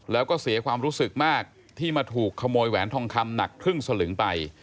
แล้วก็เสียความรู้สึกมากที่มาถูกขโมยแหวนทองคำหนักครึ่งสลึงไป